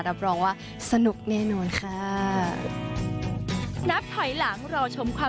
รับรองว่าสนุกแน่นอนค่ะ